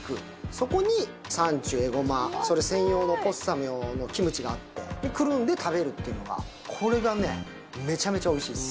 そこにサンチュエゴマそれ専用のポッサム用のキムチがあってでくるんで食べるっていうのがこれがめちゃめちゃおいしいです